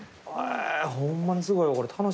ホンマにすごいわこれ楽しい。